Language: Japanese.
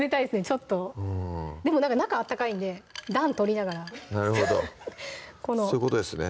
ちょっとでも中温かいんで暖取りながらなるほどそういうことですね